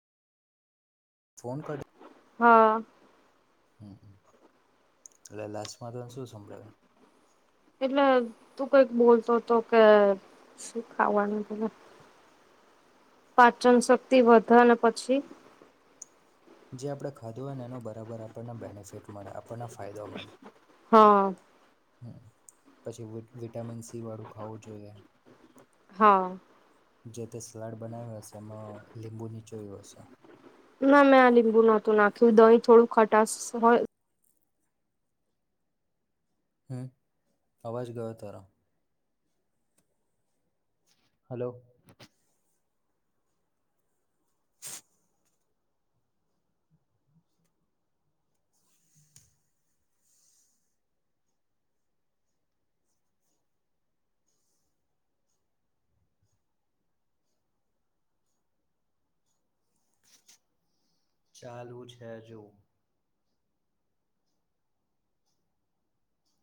Phone કાઢ હા. હમ્મ, એટલે લાસ્ટમાં તન શું સંભળાયું? એટલે તું કંઈક બોલતો તો કે શું ખાવાનું બોલો, પાચન શક્તિ વધે ને પછી જે આપણે ખાધું હોય ને એનો બરાબર આપણને બેનિફિટ મળે, આપણને ફાયદા મળે. હા. હમ્મ. પછી વિટ વિટામિન સ સી વાળું ખાવું જોઈએ. હા જે તે સલાડ બનાવ્યો હશે, એમાં લીંબુ નીચોયું હશે. ના મેં આ લીંબુ નહોતું નાખ્યું, દહીં થોડું ખટાસ હોય હમ, અવાજ ગયો તારો. હલો ચાલુ છે હજુ.